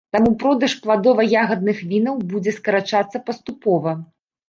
Таму продаж пладова-ягадных вінаў будзе скарачацца паступова.